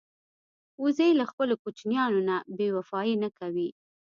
وزې له خپلو کوچنیانو نه بېوفايي نه کوي